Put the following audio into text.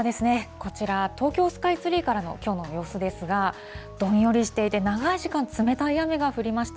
こちら、東京スカイツリーからのきょうの様子ですが、どんよりしていて、長い時間、冷たい雨が降りました。